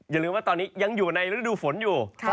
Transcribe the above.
อย่าลืมว่าตอนนี้ยังอยู่ในฤดูฝนอยู่